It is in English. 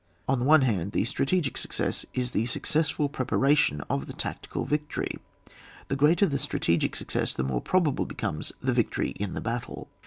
On the one hand, the strategic success is the successful pre paration of the tactical victory ; the greater this strategic success, the more probable becomes the victory in the battle.